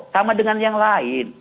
sama dengan yang lain